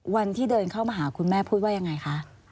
วันที่เดินเข้ามาหาคุณแม่พูดว่ายังไงคะ